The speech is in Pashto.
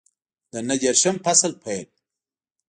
د نهه دېرشم فصل پیل